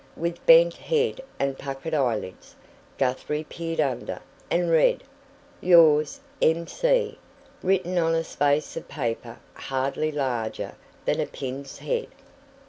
With bent head and puckered eyelids, Guthrie peered under, and read: "Yours, M. C.," written on a space of paper hardly larger than a pin's head.